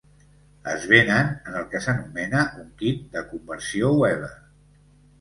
Es venen en el que s'anomena un kit de Conversió Weber.